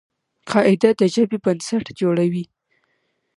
قاعده د ژبي بنسټ جوړوي.